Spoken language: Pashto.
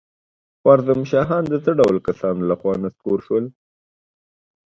خوارزم شاهان د څه ډول کسانو له خوا نسکور شول؟